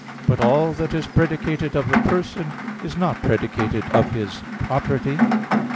But all that is predicated of a Person is not predicated of His property.